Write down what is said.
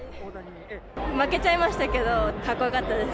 負けちゃいましたけど、かっこよかったです。